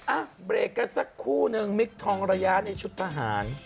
อ่ะเบรกกันสักคู่นึงมิคทองระยะในชุดทหาร